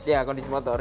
ya kondisi motor